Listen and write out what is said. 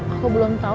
aku belum tau